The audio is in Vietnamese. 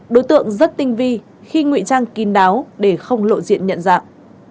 đối tượng rất tinh vi khi ngụy trang kín đáo để không lộ diện nhận dạng